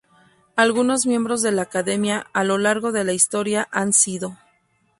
Algunos miembros de la Academia a lo largo de la historia han sido